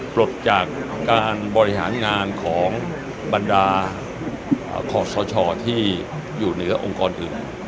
ปลดจากการบริหารงานของบรรดาขอสชที่อยู่เหนือองค์กรอื่น